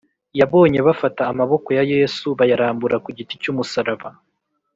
yabonye bafata amaboko ya yesu bayarambura ku giti cy’umusaraba;